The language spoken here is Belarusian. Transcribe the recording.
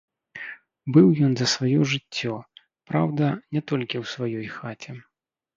Быў ён за сваё жыццё, праўда, не толькі ў сваёй хаце.